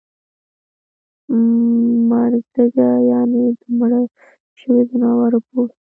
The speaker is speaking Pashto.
مړزګه یعنی د مړه شوي ځناور پوست